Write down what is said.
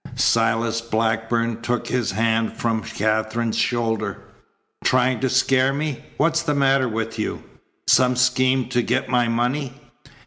Silas Blackburn took his hand from Katherine's shoulder. "Trying to scare me? What's the matter with you? Some scheme to get my money?"